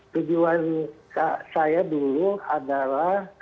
tujuan saya dulu adalah